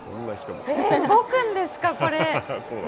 動くんですか、これ。